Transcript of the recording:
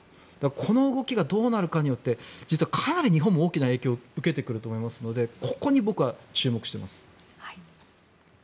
この動きがどうなるかによって実はかなり日本も大きな影響を受けてくると思いますのでここに僕は注目しています。